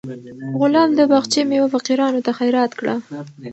غلام د باغچې میوه فقیرانو ته خیرات کړه.